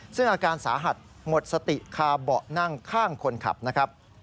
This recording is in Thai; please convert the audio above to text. ซึ่งอาการสาหัสหมดสติคาเบาะนั่งข้างคนขับนะครับ